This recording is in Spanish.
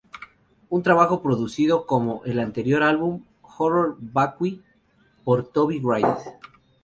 Un trabajo producido como en el anterior álbum, Horror Vacui, por Toby Wright.